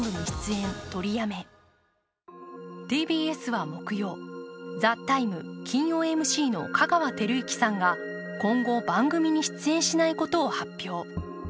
ＴＢＳは木曜、「ＴＨＥＴＩＭＥ，」金曜ＭＣの香川照之さんが今後番組に出演しないことを発表。